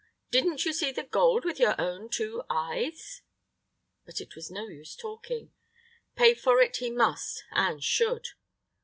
Didn't you see the gold with your own two eyes?" But it was no use talking. Pay for it he must and should.